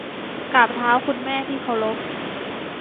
กราบเท้าคุณแม่ที่เคารพ